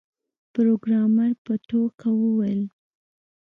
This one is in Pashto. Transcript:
پروګرامر په ټوکه وویل